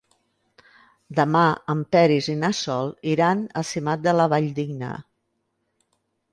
Demà en Peris i na Sol iran a Simat de la Valldigna.